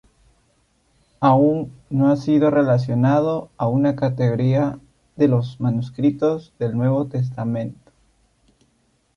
Aún no ha sido relacionado a una Categoría de los manuscritos del Nuevo Testamento.